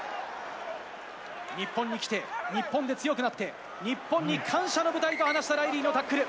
日本に来て、日本で強くなって、日本に感謝の舞台と話したライリーのタックル。